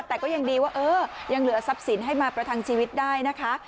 แต่ก็ยังดีว่าเออยังเหลือทรัพย์สินให้มาประทังชีวิตได้นะคะ